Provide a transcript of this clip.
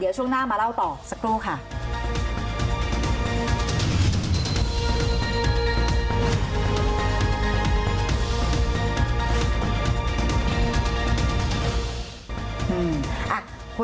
เดี๋ยวช่วงหน้ามาเล่าต่อสักครู่ค่ะ